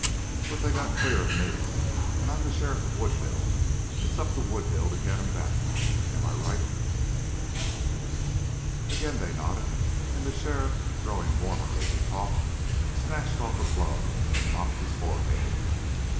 But they got clear of me, and I'm the sheriff of Woodville. It's up to Woodville to get 'em back. Am I right?" Again they nodded, and the sheriff, growing warmer as he talked, snatched off a glove and mopped his forehead.